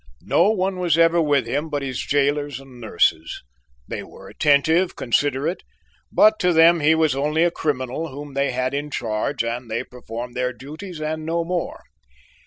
No one was ever with him but his jailors and nurses; they were attentive, considerate, but to them he was only a criminal whom they had in charge and they performed their duties and no more.